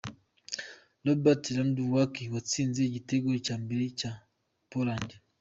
Robert Lewandowski watsinze igitego cya mbere cya Poland